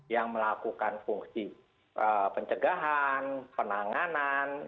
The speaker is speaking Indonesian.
yang melakukan fungsi pencegahan penanganan